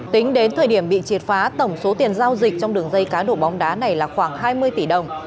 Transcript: tính đến thời điểm bị triệt phá tổng số tiền giao dịch trong đường dây cá độ bóng đá này là khoảng hai mươi tỷ đồng